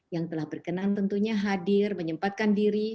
yang telah berkenan tentunya hadir menyempatkan diri